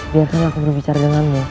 biarkan aku berbicara denganmu